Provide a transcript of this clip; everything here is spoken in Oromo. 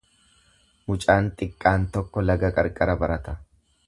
Mucaan xiqqaan tokko laga qarqara barata.